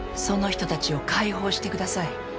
その人たちを解放してください。